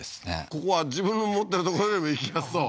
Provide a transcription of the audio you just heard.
ここは自分の持ってるとこよりも行きやすそう？